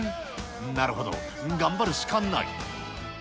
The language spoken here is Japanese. なるほど、頑張るしかない。